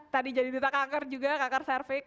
tadi jadi deta kanker juga kanker cervix